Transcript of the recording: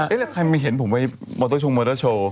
แล้วใครไม่เห็นผมไปมอเตอร์ชงมอเตอร์โชว์